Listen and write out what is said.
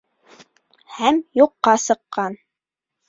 Һәм юҡҡа сыҡҡан.